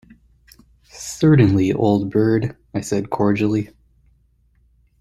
"Certainly, old bird," I said cordially.